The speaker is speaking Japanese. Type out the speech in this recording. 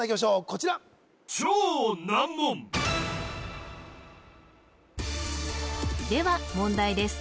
こちらでは問題です